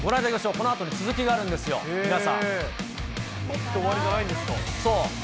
このあと続きがあるんですよ、これで終わりじゃないんですそう。